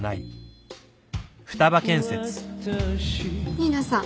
新名さん